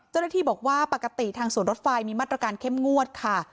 เจ้าหน้าที่บอกว่าปกติทางสวนรถไฟมีมาตรการเข้มงวดค่ะ